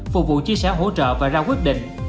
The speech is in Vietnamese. phục vụ chia sẻ hỗ trợ và ra quyết định